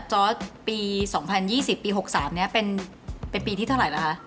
จอร์ดปี๒๐๒๐ปี๖๓นี้เป็นปีที่เท่าไหร่นะคะ